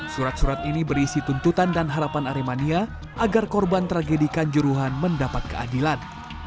surat surat ini berisi tuntutan dan harapan aremania agar korban tragedi kanjuruhan mendapat keadilan